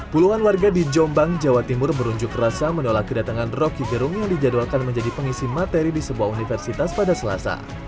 puluhan warga di jombang jawa timur berunjuk rasa menolak kedatangan roky gerung yang dijadwalkan menjadi pengisi materi di sebuah universitas pada selasa